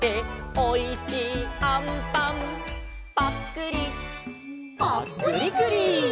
「おいしいあんぱんぱっくり」「ぱっくりくり」